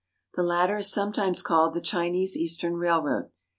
The latter is sometimes called the Chinese Eastern Railroad.